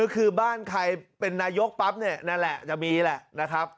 คือบ้านใครเป็นนายกปั๊บเนี่ยนั่นแหละจะมีแหละนะครับ